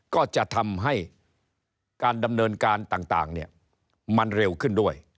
ก็จะทำให้การดำเนินการต่างมันเร็วขึ้นด้วย